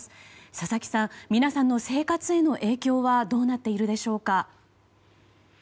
佐々木さん、皆さんの生活への影響はどうなっているでしょうか。